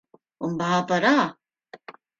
¿on va a parar?